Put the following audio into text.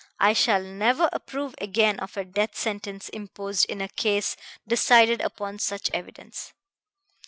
I shall never approve again of a death sentence imposed in a case decided upon such evidence."